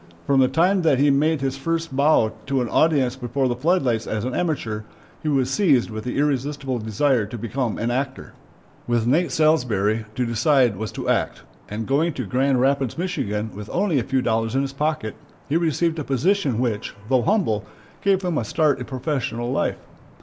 From the time that he made his first bow to an audience before the footlights as an amateur, he was seized with the irresistible desire to become an actor. With Nate Salsbury to decide was to act, and going to Grand Rapids, Mich., with only a few dollars in his pocket, he received a position which, though humble, gave him a start in professional life.